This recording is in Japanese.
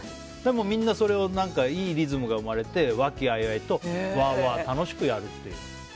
でも、みんなそれで何かいいリズムが生まれて和気あいあいと楽しくやるっていう。